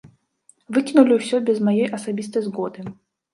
Выкінулі ўсё без маёй асабістай згоды.